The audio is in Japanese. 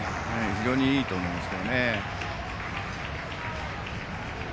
非常にいいと思います。